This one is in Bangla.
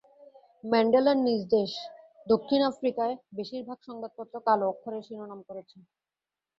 ম্যান্ডেলার নিজ দেশ দক্ষিণ আফ্রিকার বেশির ভাগ সংবাদপত্র কালো অক্ষরে শিরোনাম করেছে।